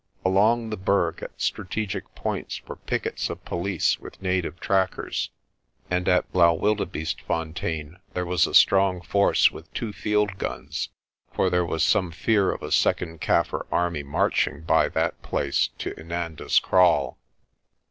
Along the Berg at strategic points were pickets of police with native trackers, and at Blaauwildebeestefontein there was a strong force with two field guns, for there was some fear of a second Kaffir army marching by that place to Inanda's Kraal.